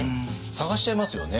探しちゃいますよね。